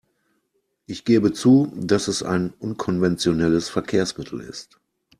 Ich gebe zu, dass es ein unkonventionelles Verkehrsmittel ist.